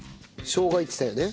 しょうがいってたよね。